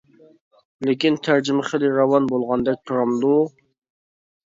لېكىن تەرجىمە خېلى راۋان بولغاندەك تۇرامدۇ؟ !